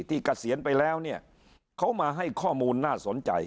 เกษียณไปแล้วเนี่ยเขามาให้ข้อมูลน่าสนใจ